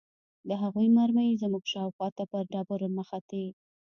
د هغوى مرمۍ زموږ شاوخوا ته پر ډبرو مښتې.